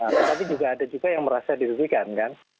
tapi juga ada juga yang merasa dirutuhkan kan